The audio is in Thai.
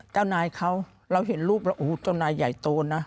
เจ้านายเขาเราเห็นรูปแล้วโอ้โหเจ้านายใหญ่โตนะ